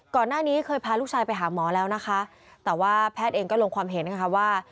ก่อนหน้านี้เคยพาลูกชายไปหาหมอแล้วนะคะแต่ว่าแพทย์เองก็ลงความเห็นนะคะว่า